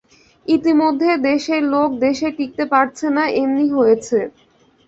ইতিমধ্যে দেশের লোক দেশে টিঁকতে পারছে না এমনি হয়েছে।